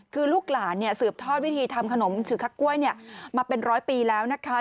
คือลูกหลานสืบทอดวิธีทำขนมชื่อคักกล้วยมาเป็นร้อยปีแล้วนะคะ